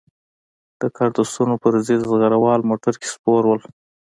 د کارتوسو په ضد زغره وال موټر کې سپور وو.